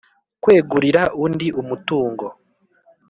Kwegurira undi umutungo